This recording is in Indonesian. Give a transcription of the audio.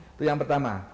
itu yang pertama